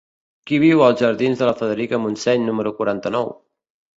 Qui viu als jardins de Frederica Montseny número quaranta-nou?